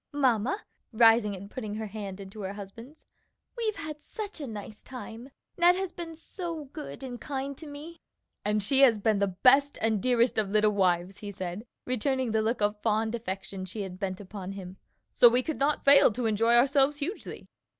"Mamma," rising and putting her hand into her husband's, "we've had such a nice time! Ned has been so good and kind to me!" "And she has been the best and dearest of little wives," he said, returning the look of fond affection she had bent upon him, "so we could not fail to enjoy ourselves hugely."